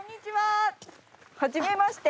はじめまして。